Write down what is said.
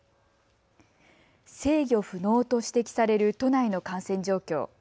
制御不能と指摘される都内の感染状況。